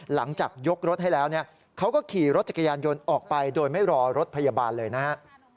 หลังจากยกรถให้แล้วเนี่ยเขาก็ขี่รถจักรยานยนต์ออกไปโดยไม่รอรถพยาบาลเลยนะฮะ